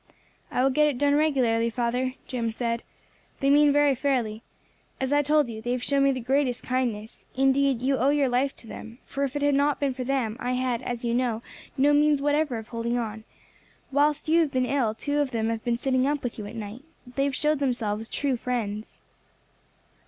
"I will get it done regularly, father," Jim said. "They mean very fairly. As I told you, they have shown me the greatest kindness indeed you owe your life to them, for if it had not been for them, I had, as you know, no means whatever of holding on. Whilst you have been ill two of them have been sitting up with you at night. They have showed themselves true friends."